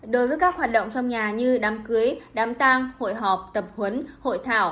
đối với các hoạt động trong nhà như đám cưới đám tang hội họp tập huấn hội thảo